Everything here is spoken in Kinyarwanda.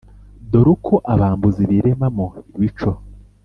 dore Uko abambuzi biremamo ibico,